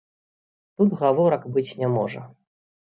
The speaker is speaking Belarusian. Тут гаворак быць не можа.